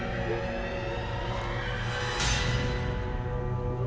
tôi sẽ nghe